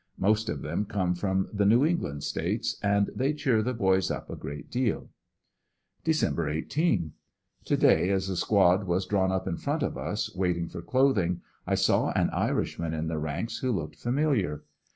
Most of them come from the New England states, and they cheer the boys up a great deal, Dec. 18. — To day as a squad was drawn up in front of us, wait ing for clothing, I saw an Irishman in the ranks who looked famil iar.